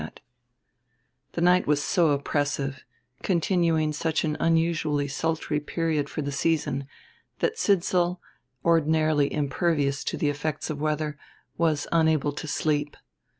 VI The night was so oppressive, continuing such an unusually sultry period for the season, that Sidsall, ordinarily impervious to the effects of weather, was unable to sleep.